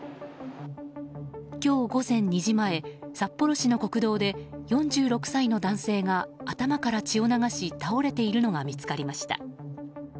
今日午前２時前、札幌市の国道で４６歳の男性が頭から血を流し倒れているのが見つかりました。